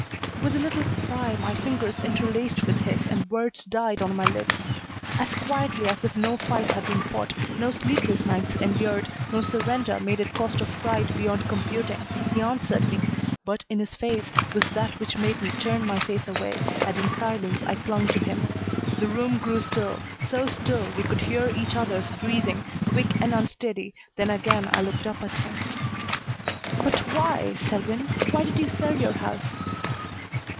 With a little cry my fingers interlaced with his and words died on my lips. As quietly as if no fight had been fought, no sleepless nights endured, no surrender made at cost of pride beyond computing, he answered me, but in his face was that which made me turn my face away, and in silence I clung to him. The room grew still, so still we could hear each other's breathing, quick and unsteady, then again I looked up at him. "But why, Selwyn? Why did you sell your house?"